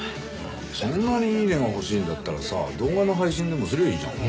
そんなにいいねが欲しいんだったらさ動画の配信でもすりゃあいいじゃん。